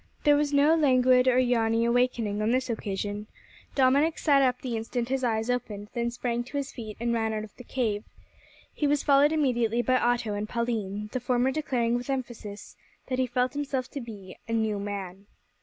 There was no languid or yawny awakening on this occasion. Dominick sat up the instant his eyes opened, then sprang to his feet, and ran out of the cave. He was followed immediately by Otto and Pauline, the former declaring with emphasis that he felt himself to be a "new man."